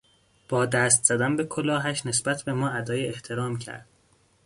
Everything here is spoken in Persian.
با دست زدن به کلاهش نسبت به ما ادای احترام کرد.